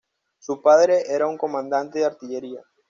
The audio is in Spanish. Su padre era un comandante de artillería.